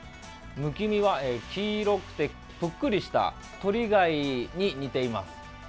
むき身は、黄色くてぷっくりしたトリ貝に似ています。